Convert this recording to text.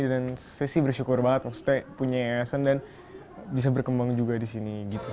dan saya sih bersyukur banget maksudnya punya ayasan dan bisa berkembang juga di sini gitu sih